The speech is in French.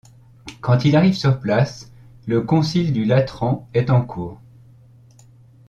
Quand il arrive sur place, le concile du Latran est en cours.